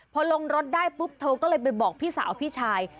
พอลงรถได้ปุ๊บเธอก็เลยไปบอกพี่สาวพี่ชาย